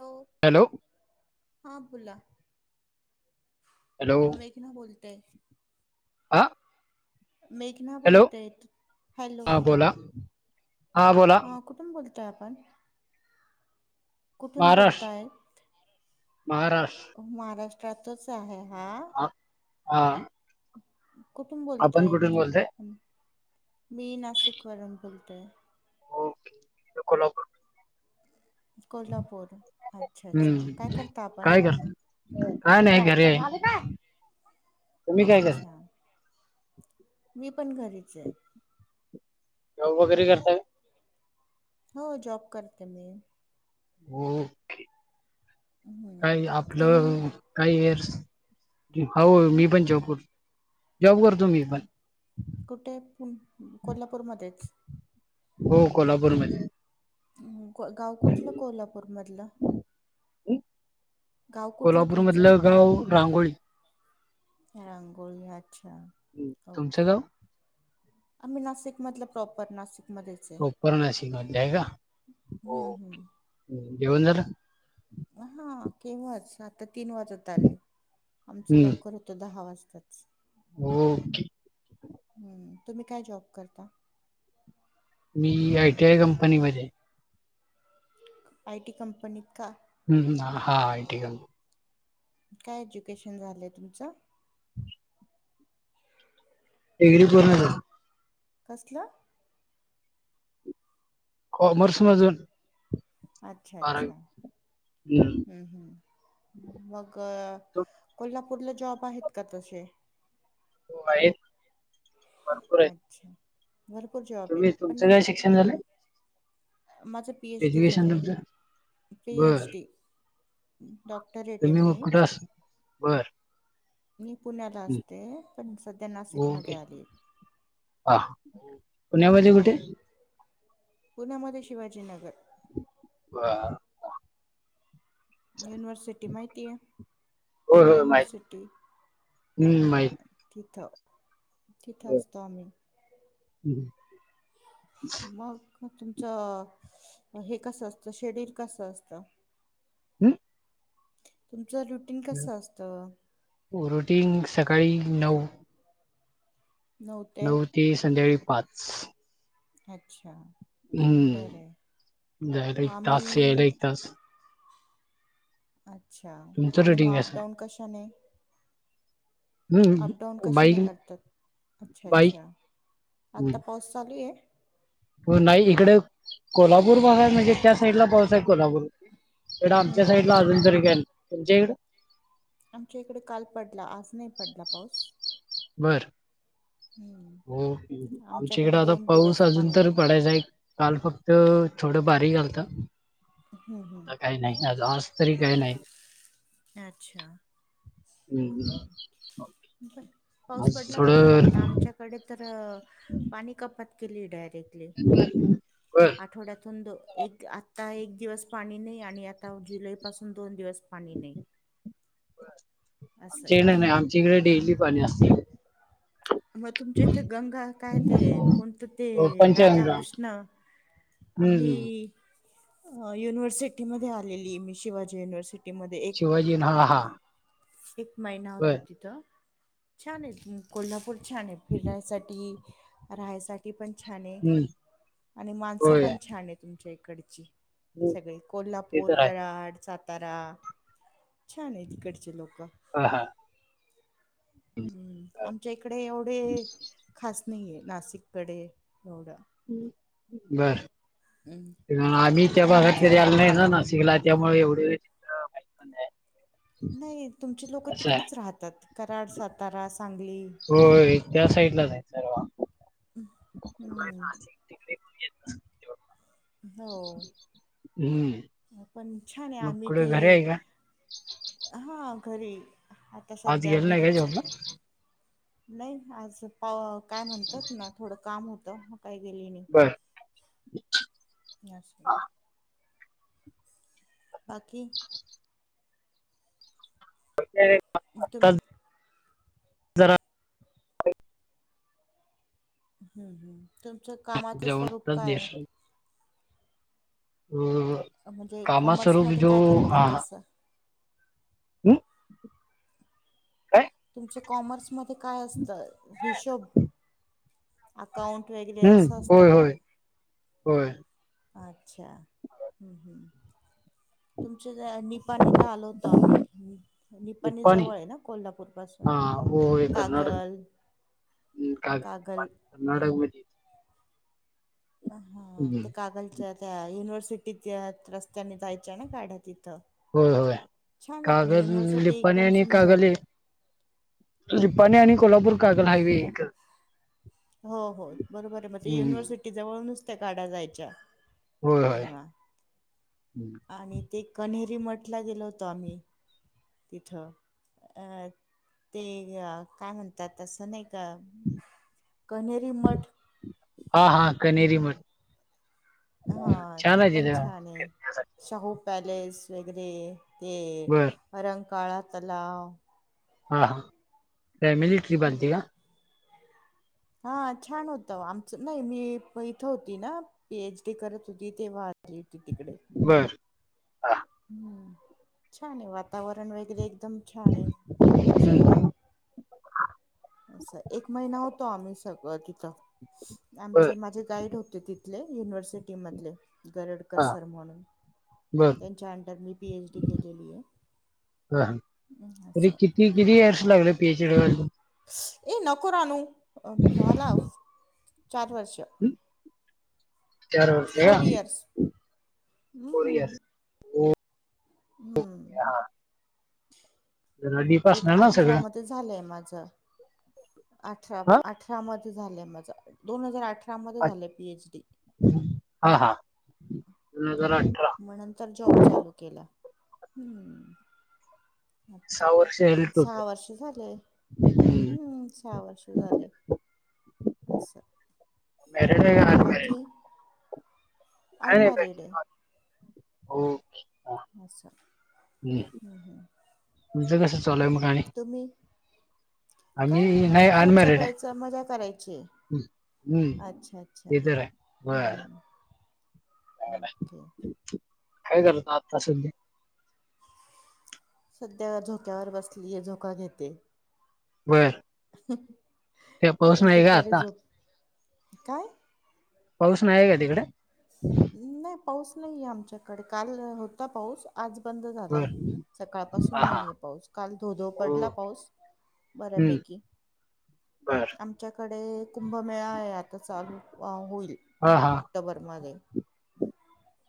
Hello हां बोला. Hello आ मेघना बोलताय. आ. मेघना बोलतय. हॅलो. हा बोला हा कुठून बोलतोय आपण? कुठून महाराष्ट्र बोलताय? महाराष्ट्र महाराष्ट्रात तच आहे हा. हा. कुठून आपण बोलताय? कुठून बोलताय मी नाशिक वरून बोलतोय. होके. मी कोल्हापूर कोल्हापूर अच्छा अच्छा, काय हम्म करता आपण? काय करता काय नाही घर आहे. तुम्ही काय अच्छा, करता मी पण घरीच आहे. जॉब वगैरे करताय? हो जॉब करते मी. ओके हम्म काही तुम्ही आपलं काही हो मी हम्म पण जयपूर जॉब करतो मी पण कोल्हापूर मध्येच. हो कोल्हापूरमध्ये. गाव कुठलं कोल्हापूर मधलं? कोल्हापूर मधलं गाव रांगोळी. रांंगोळी, अच्छा हम्म. तुमचं ओके. गाव आम्ही नाशिक मधल प्रॉपर नाशिक प्रॉपर नाशिक मध्ये आहे का? हम्म ओके जेवण झालं? हा केव्हाच आता तीन वाजत आले. आमचं हम्म लवकर होतं दहा वाजता. ओके. हम्म. तुम्ही काय जॉब करता? मी आय. टी. आय. कंपनीमध्ये आहे. आय टी कंपनी का? हम्म.. हा.. हा.. आय. टी. कंपनी. काय एज्युकेशन झालंय तुमचं? डिग्री पूर्ण झाली. कसलं? कॉमर्स मधून. अच्छा.. बारावी. अच्छा.. हम्म.. ह्म्म्म.. मग कोल्हापूर. कुठलं जॉब आहेत का तसे? हो आहेत की. अच्छा.. भरपूर जॉब आहेत. तुम्ही.. तुमचं पण काय शिक्षण झालयं. माझं पी. एच. डी झालं आहे. तुमचं? पी. एच. बर डी. डॉक्टर रेटमी. बरं. मी पुण्याला असते, पण सध्या नाशिक ओके मध्ये आली. पुण्या मध्ये कुठे? हम्म पुण्यामध्ये शिवाजीनगर. बरं.. युनिव्हर्सिटी माहितीय. होय पुणे होय माहित युनिवर्सिटी. हम्म हा माहित तिथं. तिथं असतो आम्ही. हम्म. मग. मग तुमचं अ-हे कसं असतं शेड्यूल कस असत? हम. तुम- रुटीन सकाळी नऊ. नऊ ते संध्याळी पाच. अच्छा. बरं आहे हम्म... जायला एक तास.. यायला आम्ही एक तास.. अच्छा तुमचं आणि मग रुटीन कसं आहे? अपडाऊन कशाने.. अपडाऊन हम्म कशाने बाईक करतात. अच्छा बाईक अच्छा हं. आता पाऊस चालू आहे. नाही इकडे कोल्हापूर भाग आहे म्हणजे त्या साईडला पाऊस आहे कोल्हापूरला. इकडं हम्म आमच्या हम्म साईडला अजून तरी काय नाही. तुमच्या इकडं. आमच्या इकडे काल पडला. आज नाही पडला पाऊस. बरं. हम्म हो आमच्याकडे आता दोन पाऊस दिवस अजून पाणी तर नाही पडायचा आहे. काल फक्त- थोडं बारीक आलत. हम्म आता हम्म काही नाही आज आज तरी काही नाही. अच्छा.. हम्म. पाऊस आज पडला का बरं थोडं वाटतं आमच्याकडे- तर पाणी कपात केली डायरेक्टली. बर आठवड्यातून दोन- एक आत्ता एक दिवस पाणी नाही आणि आता जुलैपासून दोन दिवस पाणी नाही. असं आहे आमच्याकडे नाही, आमच्या इकडे डेली पाणी असतयं. मग तुमच्या इथे गंगा काय ते-अ कोणतं ते-अ पंचगंगा राधाकृष्ण- हम्म आम्ही युनिव्हर्सिटी मध्ये आलेली मी शिवाजी युनिव्हर्सिटी शिवाजीन हा हा एक महिना बर होतो तिथं छान आहे कोल्हापूर छान आहे फिरण्यासाठी राहायसाठी पण छान आहे हम्म आणि माणसं होय पण हम्म, छान आहे तुमच्या इकडची सगळे ते कोल्हापूर तर आहे कराड सातारा छान आहे तिकडचे लोक ह हा हम्म आमच्या इकडे एवढे खास स् नाही आहे नाशिककडे एवढं बर. हम्म आम्ही त्या पण भागात तरी आमचं आल नाही ना ना शिकला त्यामुळे एवढ. ही प [unintelligible] नाही तुमचे लोक तिकडेच राहतात कराड सातारा सांगली हो त्या साईड लाच आहे सर्व हम्म तिक हो हम्म. पण छान आहे मग आम्ही कुठे ते घरी आहे का हां घरी. आता अज सध्या गेल् नाही का घरीच जोबला. आहे. नाही आज पा काय म्हणतात ना थोडं काम होतं. काय गेली नाही. बर बाकी [inaudible] एकदम आताच जरा [unintelligible] हम्म हम् तुमचं कामाचं जाऊन स्वरूप आताच काय देश म्हणजे कामा कॉमर्स स्वरूप मध्ये जो काय करतात तं. हम् काय तुमच कॉमर्स मध्ये काय असतं हिशोब अकाउंट वगैरे असं हम्म असतं होय का. होय होय अच्छा हम् हम् तु आमच्या निपाणीला आलो होतो आम्ही निपाणी जवळ आहे ना कोल्हापूर पासून हो कर्नाटक् का कागल कर्नाक ब हा हम्म, ते कागलच्या त्या युनिव्हर्सिटीत रस्त्याने जायच्या ना गाड्या त होय होय कागल युनिव्हर्सिटी लिपन एकदम आणि सुंदर कागल आहे. निप्पाणी आणि कोल्हापूर हम्म कागल हायवे. हो हो बरोबर आहे मगज हम्म. युनिव्हर्सिटी जवळनुच त्या काढा जायच्या होय. तेव्हा. हम्म. आणि ते कन्हेरी मठला गेलो होतो आम्ही तिथ अं ते अ काय म्हणतात तस नाही का. कन्हेरी मठ हा हा कनेरी मठ हा छान ते आहे पण तिथं छान आहे शाहू पॅलेस वगैरे ते बर रंकाळा तलाव हा हा फॅमिली ट्रिप आलती का. हा छान होतं आमच नाही मी इथं होती ना पीएच डी करत होती तेव्हा आलती. तिकडे बर हा हम्म छान आहे वातावरण वगैरे एकदम छान आहे हम्म. सगळं अस एक महिना होत. होतो आम्ही सगळं तिथ बर आमचे माझे गाईड होते तिथले युनिव्हर्सिटी मधले गरडकर हा सर म्हणून बर त्यांच्या अंंडर मी पीएच डी केलेली आहे. हा हम्म, त असं किती किती इयर्स लागले पीएचडी व्हायला. ए नको ना आणु अ मालाफ चार वर्ष चार वर्ष फोर इयर्स हम्म क हम्म हा [unintelligible] जरा डीप एक असणार ना अठरा सगळं मधे झालंय माझ अठरा हा अठरा झालंय माझ, दोन हजार आठ अच हा हा दोन हजार अठरा मग नंतर जॉब चालू केल ह आता सहा वर्ष झाली टोटल सहा वर्ष झाले हम्म सहा वर्ष झाले अस मॅरिड आहे का अनमॅरिड बाकी काय अन नाही बाकी. मॅरिड ये हो अच्छा हम्म. ह ह तुमचं कसं चालूय मग आणि काय आम्ही नाही खायचं अनमॅरिड प्यायचं मजा करायची हम् अच्छा अच्छा ते तर आहे बर हम्म. ओके [unintelligible] काय करतो आत्ता सधी [unintelligible] सध्या झोक्यावर बसलीये झोका घेते बर ते पाऊस नाही का दुपारी आता झोप काय पाऊस नाही आहे का तिकडे नाही पाऊस नाहीे आमच्याकडे काल होता पाऊस आज बंद बर झालाय सकाळ पासून हा हा नाहीय पाऊस काल धोधो हो पडला पाऊस हम्म बऱ्यापैकी बर आमच्याकडे हे कुंभमेळा आहे, आता चालू वा होईल हा हा ऑक्टोबर मधै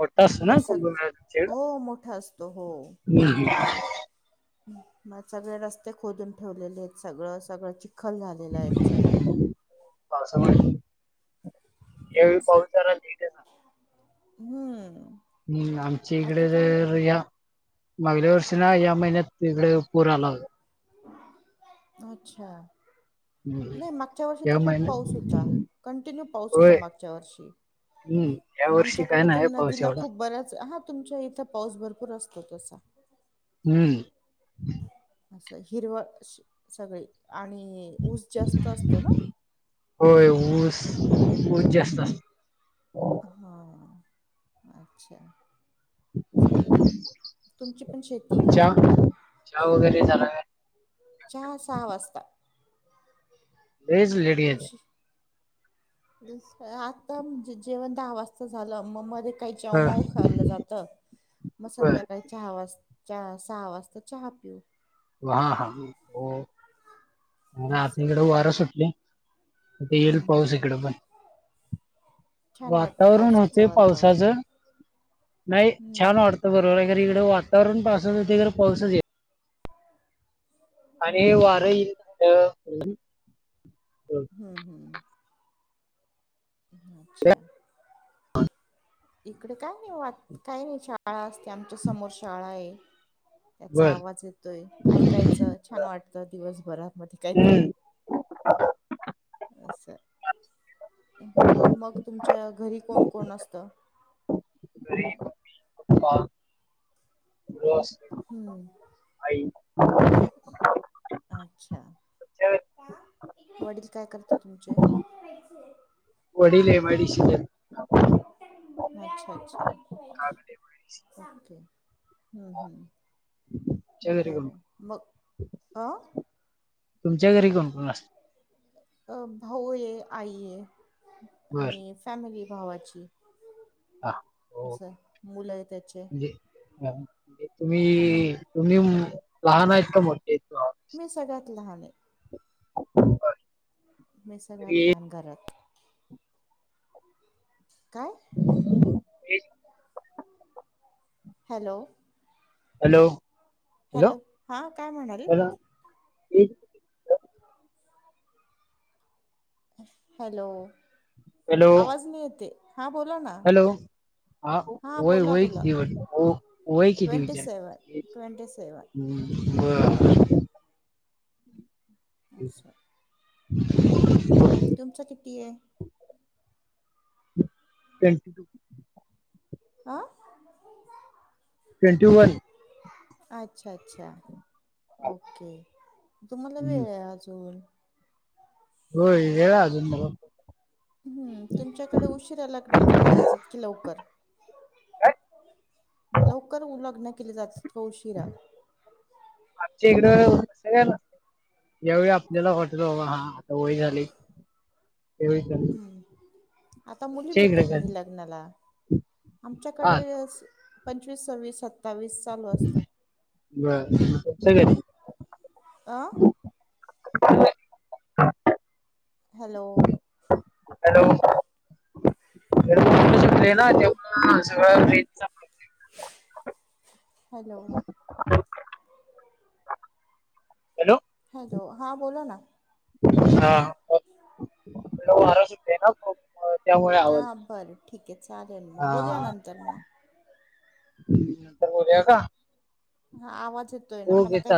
मोठा असतो ना सग कुंभमेळा तुमच्याकड हो मोठा असतो हो. हम ह [unintelligible] मग सगळे रस्ते खोदून ठेवलेले आहेत सगळं सगळं चिक खल झालेलं आहे सगळा एव पहचार जथे सांग [unintelligible] हम्म हम्म आमच्या इकडे आता काय तर या मागल्या वर्षी ना या महिन्यात तिकडे पूर आला होता अच्छा हम्म नाही मागच्या वर्षी तर या खूप पाऊस महिन्यात होता कंटिन्यू पाऊस होता होय मागच्या वर्षी हम्म या वर्षी काय आमच्याकडे तर नाही पाऊस नदीला एवढा खूप बऱ्याच हा तुमच्या इथं पाऊस भरपूर असतो तसा हम्म असं हिरवळ शी सगळी आणि ऊस जास्त असतो ना होय ऊस ऊस जास्त असतो हा अच्छा चांगलंय, तुमची पण शेती का? चहा चहा वगैरे झाला काय? चहा सहा वाजता लज लेडीते [unintelligible] उशी आता जेवण दहा वाजता झालं मग मध्ये काही हा च्याऊमाऊ खाल्लं जात मग होय. संध्याकाळी चहा वाजता चहा सहा वाजता चहा पिऊ. हा हा हो असं. आमच्याकडे वार सुटले. येईल हम्म पाऊस हम्म इकडे पण छान वाटतं वातावरण होते पावसाचं वातावरण पावसाचं नाही छान हम्म वाढतं बरोबर अगर इकडं वातावरण पासत होते तर पाऊसच य आणि ने हम्म हे वार हम्म. हम्म हम्म अच्छ इकडे काय नाही वा काय नाही. शाळा असते आमच्या समोर शाळा आहे. त्याचा बर आवाज येतोय ऐकायचं छान वाटतं दिवसभरात. मध्ये काहीतरी. हम्म मग तुमच्या घरी. कोण कोण असत. ह हम्म ह [inaudible] अच्छा. वडील काय करतात तुमचे. वडील एमआयडीसीत आहेत. अच्छा अच्छाओके काका एम आय डी सी हम्म हम्म. तुमच्या घरी कोण कोण? बरं मग ह तुमच्या घरी कोण कोण असत. अ भाऊ ये आई आहे बर आणि फॅमिली. भावाची हा हो असं मुलं आहे त्याचे. म्हणजे हा तुम्ही तुम्ही लहान आहेत का मोठे? का? मी सगळ्यात लहान आहे. मी तरी सगळ्यात लहान घरात. काय? ते. हॅलो! हॅलो! हॅलो हा काय म्हणाल. हॅलो [unintelligible] हॅलो हॅलो आवाज नाही येते हा बोला ना. हॅलो हा हां वय बोला होय बोला किती होय किती ट्वेंटी विचार सेवन ट्वेंटी सेवन ह्. बर. असचछा. [unintelligible] [inaudible] तुमचं किती आहे. ट्वेंटी. आं. Twenty one. अच्छा अच्छा ओके तुम्हाला वेळ आहे अजून. हो वेळ आहे अजून मला. हम्म तुमच्याकडे उशिरा लग्न केली जातात कि लवकर. लवकर उ लग्न केले जातात का उशिरा. आमच्या इकडे क यावेळी आपल्याला वाटत बाबा हा. वय झाली तेव ळी करू. आता मुली भेटत नाही लग्नाला हा आमच्याकडे. पंचवीस सव्वीसत् बर क... आ! ह.. हॅलो! हॅलो! प्लेन तेव सगळं ट्रेन.. हॅलो! हॅलो हॅलो हा बोोलो ना! हा. ह.. ना ख.. हा बरं ठीक आहे चालेलल मग हा बोलया नंतर मग. बोल्या का! हा आवाज येतोय ना मला ओके काही.. चालेल